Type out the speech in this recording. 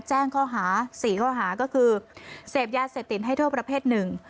แจ้งข้อหา๔ข้อหาก็คือเสพยาเสพติดให้โทษประเภทหนึ่ง